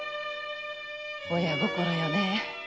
親心よねえ。